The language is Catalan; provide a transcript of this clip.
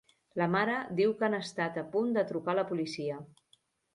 La mare diu que han estat a punt de trucar la policia.